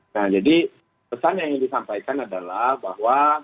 nah jadi pesan yang ingin disampaikan adalah bahwa